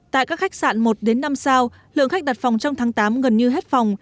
tại các khách sạn một năm sao lượng khách đặt phòng trong tháng tám gần như hết phòng